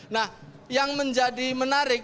nah yang menjadi menarik